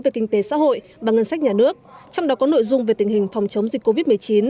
về kinh tế xã hội và ngân sách nhà nước trong đó có nội dung về tình hình phòng chống dịch covid một mươi chín